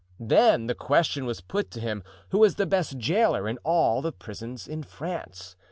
Then the question was put to him who was the best jailer in all the prisons in France.